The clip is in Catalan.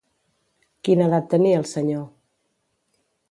Quina edat tenia el senyor?